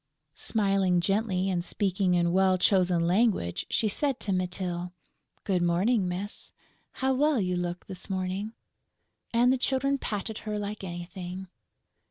Smiling gently and speaking in well chosen language, she said to Mytyl: "Good morning, miss!... How well you look this morning!..." And the Children patted her like anything.